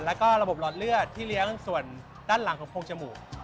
แล้วก็ระบบหลอดเลือดที่เลี้ยงส่วนด้านหลังของโพงจมูก